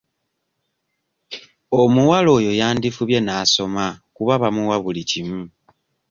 Omuwala oyo yandifubye n'asoma kuba bamuwa buli kimu.